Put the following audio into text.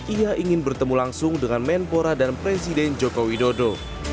ia ingin bertemu langsung dengan menpora dan presiden joko widodo